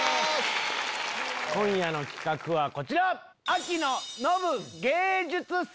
今夜の企画はこちら！